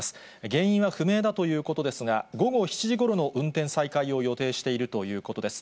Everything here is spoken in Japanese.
原因は不明だということですが、午後７時ごろの運転再開を予定しているということです。